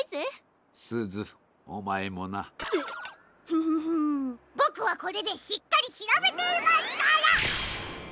フフフボクはこれでしっかりしらべていますから！